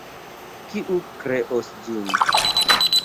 Kiu kreos ĝin?